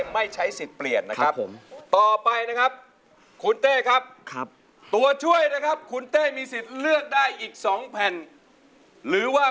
ไม่ใช้ถ้าไม่โอเคก็ไม่ใช้ถ้าไม่โอเคไม่ต้องใช้